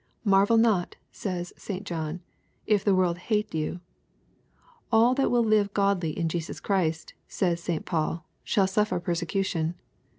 ''• Mar vel not," says St. John, " if the world hate you." " All that will live godly in Jesus Christ," says St. Paul, '^ shall suffer persecution."